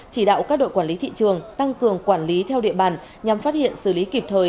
chỉ đạo các đội quản lý thị trường tăng cường quản lý theo địa bàn nhằm phát hiện xử lý kịp thời